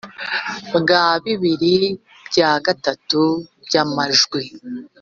bwa bibiri bya gatatu by amajwi